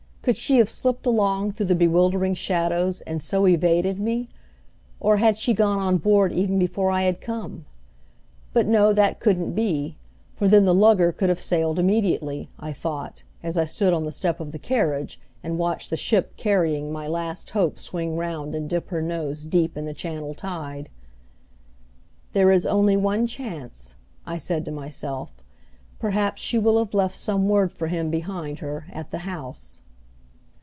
Could she have slipped along through the bewildering shadows and so evaded me; or had she gone on board even before I had come? but, no, that couldn't be, for then the lugger could have sailed immediately, I thought, as I stood on the step of the carriage and watched the ship carrying my last hope swing round and dip her nose deep in the channel tide. "There is only one chance," I said to myself. "Perhaps she will have left some word for him behind her at the house."